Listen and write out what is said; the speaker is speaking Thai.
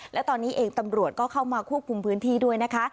และตอนนี้เองตำรวจก็เข้ามาควบคุมพื้นที่ด้วยนะคะ